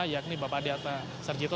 yakni bapak adiata serjito